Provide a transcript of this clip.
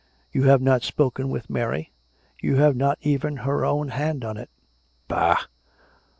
You have not spoken with Mary; you have not even her own hand on it." " Bah